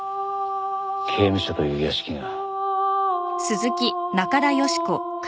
刑務所という屋敷が。